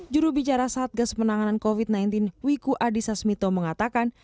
jurubicara satgas penanganan covid sembilan belas wiku adhisa smito mengatakan